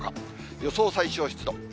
予想最小湿度。